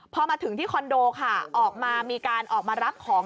พอมาถึงที่คอนโดค่ะออกมามีการออกมารับของ